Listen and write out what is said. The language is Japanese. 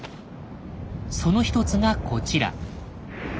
その一つがこちら。